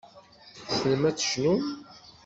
Tessnem ad tecnum.